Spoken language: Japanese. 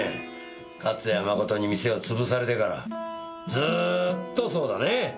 勝谷誠に店を潰されてからずーっとそうだね？